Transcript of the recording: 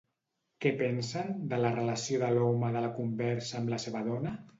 Què pensen, de la relació de l'home de la conversa amb la seva dona?